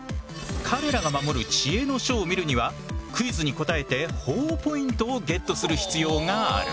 彼らが守る知恵の書を見るにはクイズに答えてほぉポイントをゲットする必要がある。